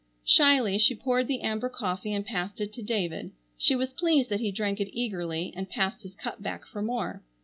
Shyly she poured the amber coffee and passed it to David. She was pleased that he drank it eagerly and passed his cup back for more.